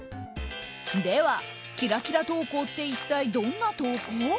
ではキラキラ投稿って一体どんな投稿？